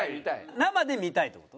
生で見たいって事？